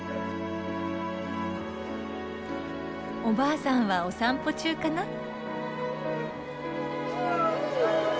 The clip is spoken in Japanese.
おばあさんはお散歩中かな。